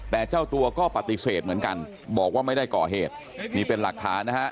แต่เจ้าตัวก็ปฏิเสธเหมือนกันบอกว่าไม่ได้ก่อเหตุนี่เป็นหลักฐานนะฮะ